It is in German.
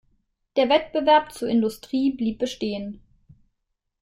Der Wettbewerb zur Industrie blieb bestehen.